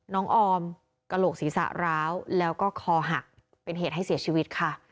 ออมกระโหลกศีรษะร้าวแล้วก็คอหักเป็นเหตุให้เสียชีวิตค่ะ